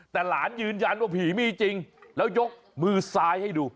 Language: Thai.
แต่หลานยืนยันว่าผีมีจริงแล้วยกมือซ้ายให้ดู